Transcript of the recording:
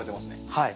はい。